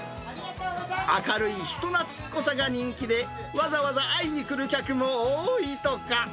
明るい人なつっこさが人気で、わざわざ会いに来る客も多いとか。